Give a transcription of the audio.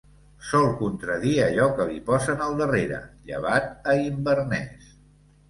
Sol contradir allò que li posen al darrere, llevat a Inverness.